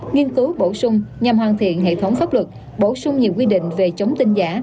nghiên cứu bổ sung nhằm hoàn thiện hệ thống pháp luật bổ sung nhiều quy định về chống tin giả